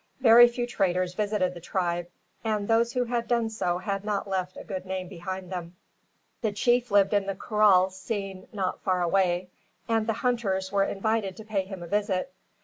Very few traders visited the tribe; and those who had done so had not left a good name behind them. The chief lived in the kraal seen not far away; and the hunters were invited to pay him a visit.